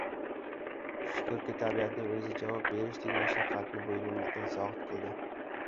shukrki tabiatning o‘zi javob berishdek mashaqqatni bo‘ynimizdan soqit qildi.